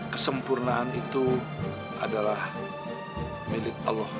kesempurnaan itu adalah milik allah